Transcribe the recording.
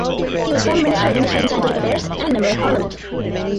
He was former Minister of Industries and Scientific Affairs and Member of Parliament.